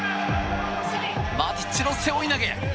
マティッチの背負い投げ。